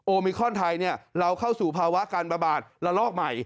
มิคอนไทยเราเข้าสู่ภาวะการระบาดระลอกใหม่